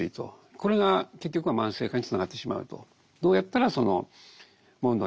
これが結局は慢性化につながってしまうと。